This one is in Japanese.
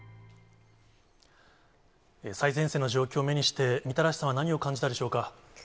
最前線の状況を目にして、みたらしさんは何を感じたでしょうか。